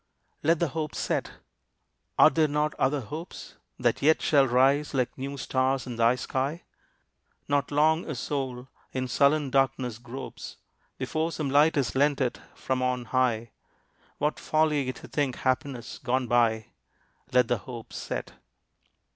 Let the hope set. Are there not other hopes That yet shall rise like new stars in thy sky? Not long a soul in sullen darkness gropes Before some light is lent it from on high; What folly to think happiness gone by! Let the hope set!